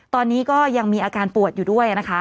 ตอนนี้ก็ยังมีอาการปวดอยู่ด้วยนะคะ